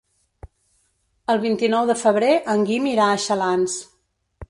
El vint-i-nou de febrer en Guim irà a Xalans.